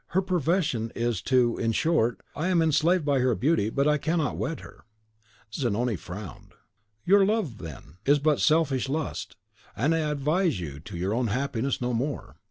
Her profession, too, is in short, I am enslaved by her beauty, but I cannot wed her." Zanoni frowned. "Your love, then, is but selfish lust, and I advise you to your own happiness no more.